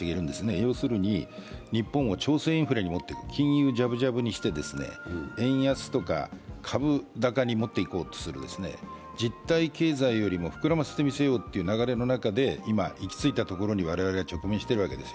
要するに日本を調整インフレに持っていく、金融じゃぶじゃぶにして円安とか株高に持っていこうとする実体経済よりも膨らませてみせようという流れの中で今、行き着いたところに我々は直面しているわけです。